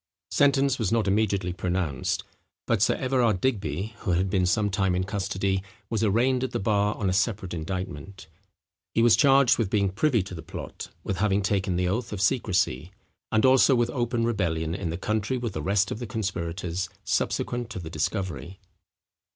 Sentence was not immediately pronounced; but Sir Everard Digby, who had been some time in custody, was arraigned at the bar on a separate indictment. He was charged with being privy to the plot,—with having taken the oath of secresy,—and also with open rebellion in the country with the rest of the conspirators, subsequent to the discovery.